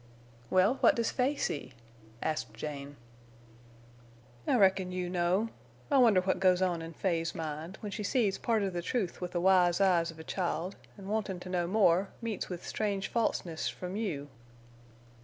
"Well, what does Fay see?" asked Jane. "I reckon you know. I wonder what goes on in Fay's mind when she sees part of the truth with the wise eyes of a child, an' wantin' to know more, meets with strange falseness from you?